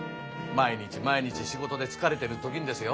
毎日毎日仕事で疲れてる時にですよ。